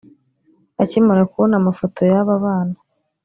Akimara kubona amafoto y’aba bana